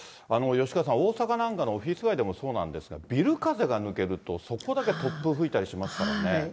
吉川さん、大阪なんかのオフィス街でもそうなんですが、ビル風が抜けると、そこだけ突風が吹いたりしますからね。